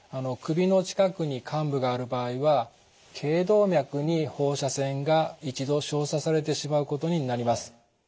首の近くに患部がある場合は頸動脈に放射線が一度照射されてしまうことになります。